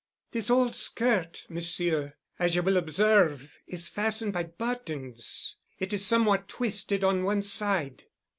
"This old skirt, Monsieur, as you will observe, is fastened by buttons and is somewhat twisted to one side."